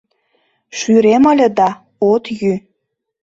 Шӱрем ыле да, от йӱ.